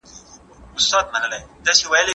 خپله ژبه زده کړه ترڅو له خپلو ریښو لري نه سي.